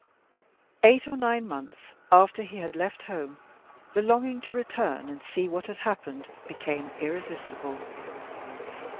Eight or nine months after he had left home the longing to return and see what had happened became irresistible.